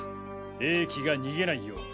冷気が逃げないよう。